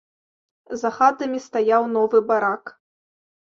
За хатамі стаяў новы барак.